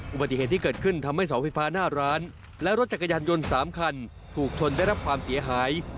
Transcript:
อุบัติเหตุที่เกิดขึ้นทำให้เสาไฟฟ้าหน้าร้านและรถจักรยานยนต์๓คันถูกชนได้รับความเสียหาย